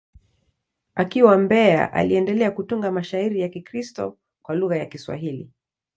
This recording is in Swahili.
Akiwa Mbeya, aliendelea kutunga mashairi ya Kikristo kwa lugha ya Kiswahili.